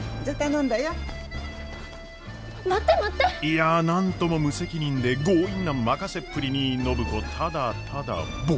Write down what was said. いや何とも無責任で強引な任せっぷりに暢子ただただぼう然。